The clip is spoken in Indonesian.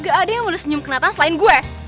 gak ada yang mau disenyum ke natan selain gue